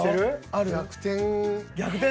ある？逆転。